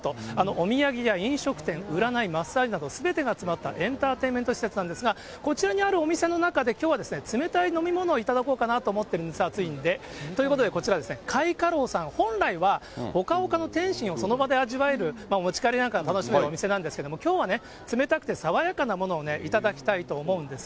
お土産や飲食店、占い、マッサージなどすべてが集まったエンターテインメント施設なんですが、こちらにあるお店の中で、きょうは冷たい飲み物を頂こうかなと思ってるんです、暑いんで、ということでこちら、開花楼さん、本来は、ほかほかの点心をその場で味わえる、持ち帰りなんかも楽しめるお店なんですけれども、きょうはね、冷たくて爽やかなものを頂きたいと思うんです。